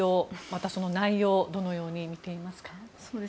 また、その内容どのように見ていますか。